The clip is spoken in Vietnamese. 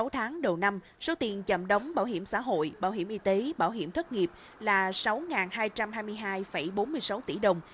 sáu tháng đầu năm số tiền chậm đóng bảo hiểm xã hội bảo hiểm y tế bảo hiểm thất nghiệp là sáu hai trăm hai mươi hai bốn mươi sáu tỷ đồng